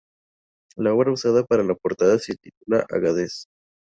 La obra usada para la portada se titula "Agadez".